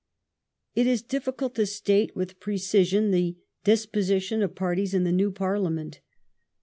It is difficult to state with precision the disposition of parties in the new Parliament.